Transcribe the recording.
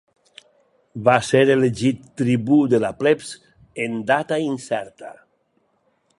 Va ser elegit tribú de la plebs en data incerta.